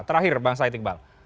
terakhir bang syai tikbal